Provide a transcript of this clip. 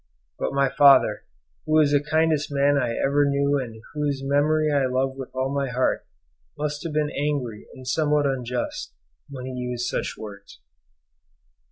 But my father, who was the kindest man I ever knew and whose memory I love with all my heart, must have been angry and somewhat unjust when he used such words.